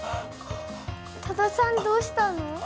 多田さんどうしたの？